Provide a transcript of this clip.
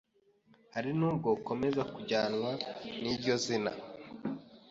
Hari nubwo ukomeza kujyanwa n’iryo zina